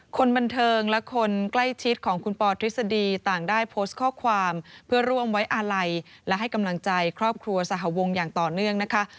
คนบันเทิงและคนใกล้ชิดของคุณปอทฤษฎีต่างได้โพสต์ข้อความเพื่อร่วมไว้อาลัยและให้กำลังใจครอบครัวสหวงอย่างต่อเนื่องนะคะ